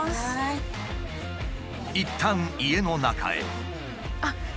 いったん家の中へ。